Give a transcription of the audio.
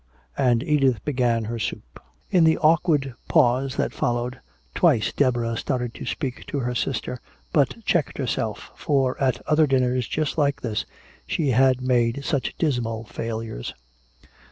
And Edith began her soup. In the awkward pause that followed, twice Deborah started to speak to her sister, but checked herself, for at other dinners just like this she had made such dismal failures.